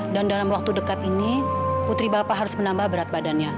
dan dalam waktu dekat ini putri bapak harus menambah berat badannya